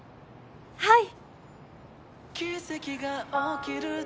はい！